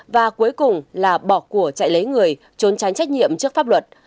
và cuối cùng là bỏ của chạy lấy người trốn tránh trách nhiệm trước pháp luật